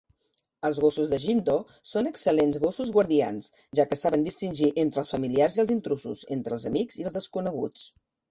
Els gossos de Jindo són excel·lents gossos guardians, ja que saben distingir entre els familiars i els intrusos, entre els amics i els desconeguts.